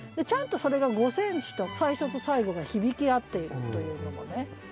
ちゃんとそれが「五線紙」と最初と最後が響き合っているというのもね。